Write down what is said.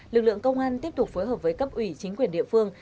lực lượng công an tiếp tục phối hợp với cấp ủy chính quyền địa phương